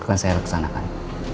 bukan saya reksanakan